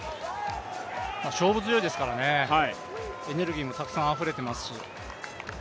勝負強いですからね、エネルギーもたくさんあふれていますし。